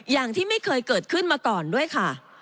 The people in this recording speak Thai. อย่างที่ไม่เคยเกิดขึ้นมาก่อนด้วยค่ะ